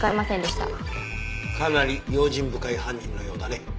かなり用心深い犯人のようだね。